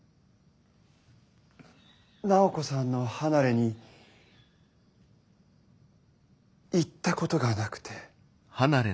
楠宝子さんの離れに行ったことがなくて。